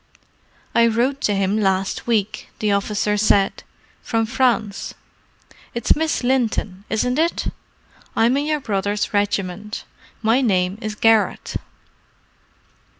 "I wrote to him last week," the officer said—"from France. It's Miss Linton, isn't it? I'm in your brother's regiment. My name is Garrett."